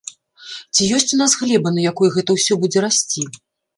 Ці ёсць у нас глеба, на якой гэта ўсё будзе расці?